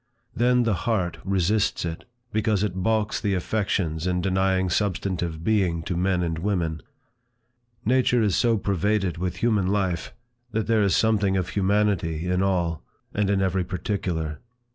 Then the heart resists it, because it balks the affections in denying substantive being to men and women. Nature is so pervaded with human life, that there is something of humanity in all, and in every particular.